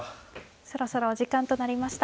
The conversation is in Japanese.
そろそろお時間となりました。